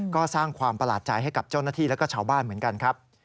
ก็สร้างความประหลาดใจให้กับเจ้าหน้าที่แล้วก็ชาวบ้านเหมือนกันครับ